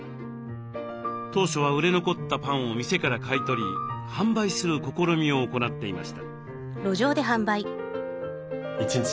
当初は売れ残ったパンを店から買い取り販売する試みを行っていました。